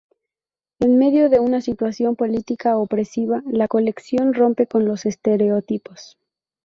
En medio de una situación política opresiva, la colección rompe con los estereotipos.